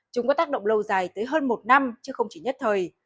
chúng có tác động lâu dài tới hơn một năm chứ không chỉ nhất thời